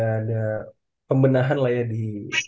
ada pembenahan lah ya di